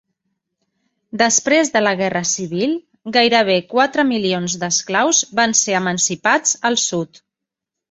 Després de la Guerra Civil, gairebé quatre milions d'esclaus van ser emancipats al sud.